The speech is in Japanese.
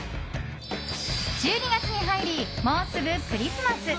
１２月に入りもうすぐクリスマス！